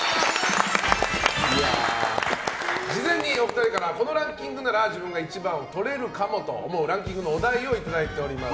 事前にお二人からこのランキングなら自分が一番をとれるかもと思うランキングのお題をいただいております。